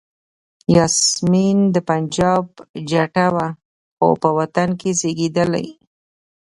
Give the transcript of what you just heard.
یاسمین د پنجاب جټه وه خو په وطن کې زیږېدلې.